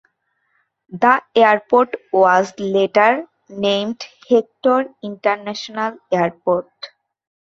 The airport was later named Hector International Airport.